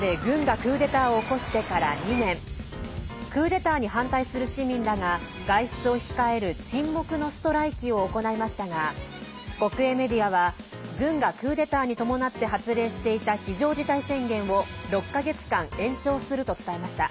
クーデターに反対する市民らが外出を控える沈黙のストライキを行いましたが国営メディアは、軍がクーデターに伴って発令していた非常事態宣言を６か月間延長すると伝えました。